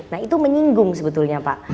nah itu menyinggung sebetulnya pak